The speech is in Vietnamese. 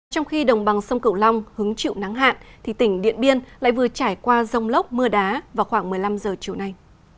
trong khi đồng bằng sông cửu long hứng chịu nắng hạn thì tỉnh điện biên lại vừa trải qua rông lốc mưa đá vào khoảng một mươi năm h chiều nay